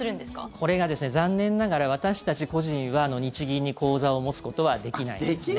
これが、残念ながら私たち個人は日銀に口座を持つことはできないんですね。